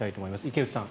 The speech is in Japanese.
池内さん